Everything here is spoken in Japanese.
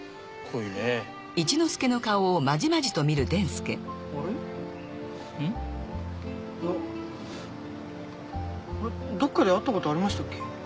いやどっかで会ったことありましたっけ？